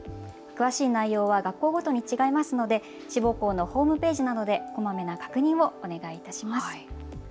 詳しい内容は学校ごとに違いますので志望校のホームページなどでこまめな確認をお願いいたします。